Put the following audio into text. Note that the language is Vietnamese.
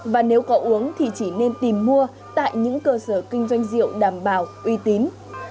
và nếu có uống thì chỉ nên tìm mua tại những cơ sở kinh doanh rượu đảm bảo uy tín